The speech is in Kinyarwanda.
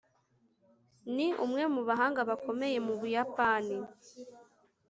ni umwe mu bahanga bakomeye mu buyapani